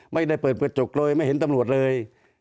ไม่ได้เปิดกระจกเลยไม่เห็นตำรวจเลย